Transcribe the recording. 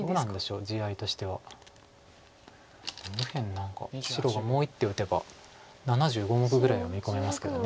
何か白がもう一手打てば７５目ぐらいは見込めますけど。